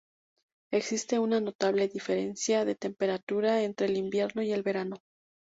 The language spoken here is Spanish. Existe una notable diferencia de temperatura entre el invierno y el verano.